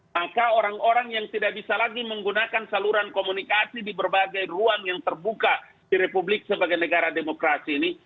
maka orang orang yang tidak bisa lagi menggunakan saluran komunikasi di berbagai ruang yang terbuka di republik sebagai negara demokrasi ini